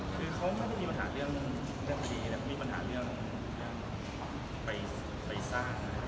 เขาก็ไม่มีปัญหาเรื่องเรื่องประดีเขามีปัญหาไปสร้าง